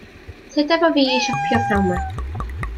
Tyd efo fi i siopio p'nawn 'ma.